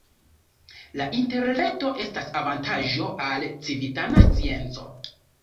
La Interreto estas avantaĝo al civitana scienco.